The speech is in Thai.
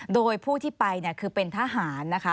โดยผู้ที่ไปคือเป็นทหารนะคะ